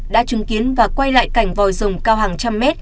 đã chứng kiến và quay lại cảnh vòi rồng cao hàng trăm mét